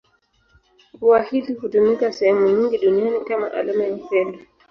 Ua hili hutumika sehemu nyingi duniani kama alama ya upendo.